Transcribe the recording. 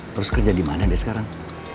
terus kerja dimana dia sekarang